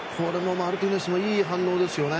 マルティネスもいい反応ですよね。